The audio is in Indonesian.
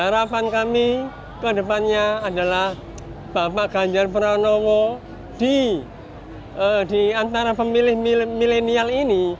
harapan kami ke depannya adalah bapak ganjar pranowo di antara pemilih milenial ini